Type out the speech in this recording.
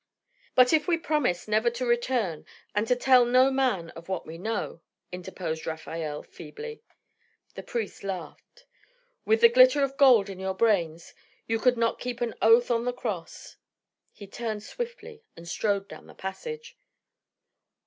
"But if we promise never to return, and to tell no man of what we know," interposed Rafael, feebly. The priest laughed. "With the glitter of gold in your brains? You could not keep an oath on the cross." He turned swiftly and strode down the passage.